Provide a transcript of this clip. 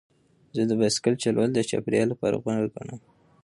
زه د بایسکل چلول د چاپیریال لپاره غوره ګڼم.